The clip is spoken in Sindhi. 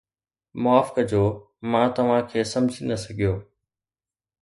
معاف ڪجو، مان توهان کي سمجهي نه سگهيو